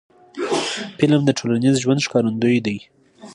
فلم د ټولنیز ژوند ښکارندوی دی